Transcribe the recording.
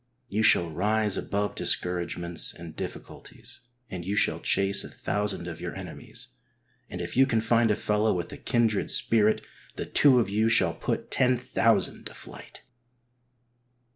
You shall rise above discouragements and difficulties, and you shall chase a thousand of your enemies, and if you can find a fellow with a kindred spirit the two of you shall put ten thousand to flight.